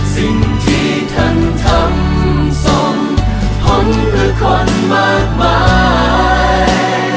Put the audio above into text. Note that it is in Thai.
สิ่งที่ท่านทำส่งพ้นเพื่อคนมากมาย